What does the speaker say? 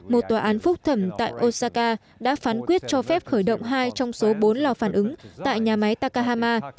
một tòa án phúc thẩm tại osaka đã phán quyết cho phép khởi động hai trong số bốn lò phản ứng tại nhà máy takahama